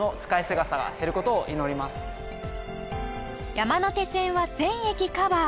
山手線は全駅カバー